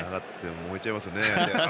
燃えちゃいますね。